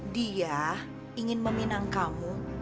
dia ingin meminang kamu